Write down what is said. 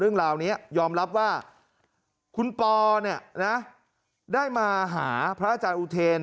เรื่องราวนี้ยอมรับว่าคุณปอเนี่ยนะได้มาหาพระอาจารย์อุเทน